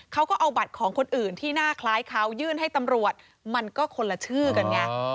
เขาก็เอาบัตรของคนอื่นที่หน้าคล้ายเขายื่นให้ตำรวจมันก็คนละชื่อกันไง